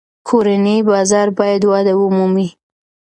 کورني بازار باید وده ومومي.